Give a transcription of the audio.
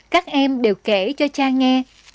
các em đều kể cho cha nghe